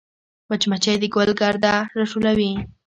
مچمچۍ د ګل ګرده راټولوي